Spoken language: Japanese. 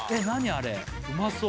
あれ、うまそう。